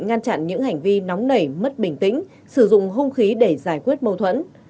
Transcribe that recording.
ngăn chặn những hành vi nóng nảy mất bình tĩnh sử dụng hung khí để giải quyết mâu thuẫn